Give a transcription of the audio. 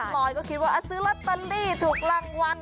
ลอยก็คิดว่าซื้อลอตเตอรี่ถูกรางวัล